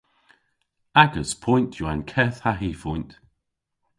Agas poynt yw an keth ha hy foynt.